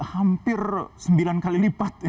hampir sembilan kali lipat